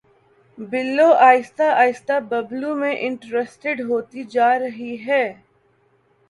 بلو آہستہ آہستہ ببلو میں انٹرسٹیڈ ہوتی جا رہی ہے